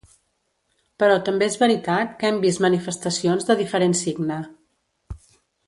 Però també és veritat que hem vist manifestacions de diferent signe.